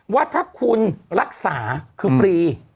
ว่าถ้าคุณรักษาคือฟรี